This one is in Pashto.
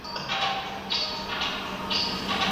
ايا انسان د خرڅلاو او پيرلو وړ شی دی؟